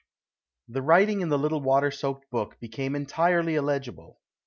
V. The writing in the little water soaked book became entirely illegible.